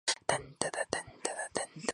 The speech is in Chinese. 证明了在团体中不同意见的重要性。